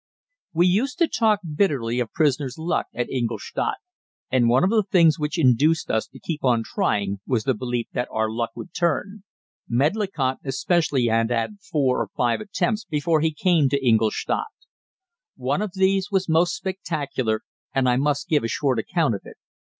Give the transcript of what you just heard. We used to talk bitterly of prisoners' luck at Ingolstadt, and one of the things which induced us to keep on trying was the belief that our luck would turn. Medlicott especially had had four or five attempts before he came to Ingolstadt. One of these was most spectacular, and I must give a short account of it.